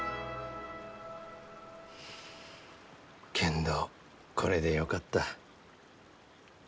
けんどこれでよかった。